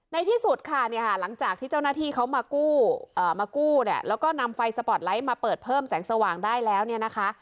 ในที่สุดค่ะหลังจากที่เจ้าหน้าที่เขามากู้แล้วก็นำไฟสปอร์ตไลท์มาเปิดเพิ่มแสงสว่างได้แล้วนะคะ